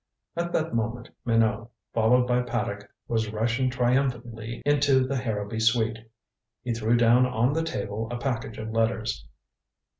At that moment Minot, followed by Paddock was rushing triumphantly into the Harrowby suite. He threw down on the table a package of letters.